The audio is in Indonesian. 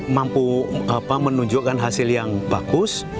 mampu menunjukkan hasil yang bagus